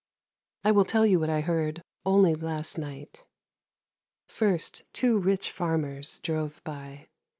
I will tell you what I heard only last night. " First two rich farmers drove by.